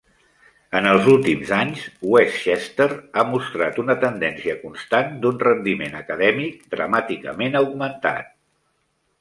En els últims anys, Westchester ha mostrat una tendència constant d'un rendiment acadèmic dramàticament augmentat.